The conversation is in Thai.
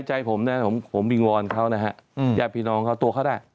ใจผมนะผมวิงวอนเขานะฮะญาติพี่น้องเขาตัวเขาได้